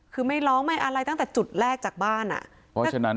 คือไม่ร้องไม่อะไรตั้งแต่จุดแรกจากบ้านอ่ะ